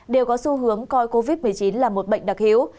đều có xu hướng coi covid một mươi chín là một bệnh đặc hữu